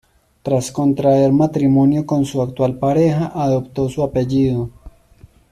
Tras contraer matrimonio con su actual pareja, adoptó su apellido.